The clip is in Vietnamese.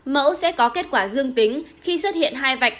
mẫu sẽ có kết quả dương tính khi xuất hiện hai vạch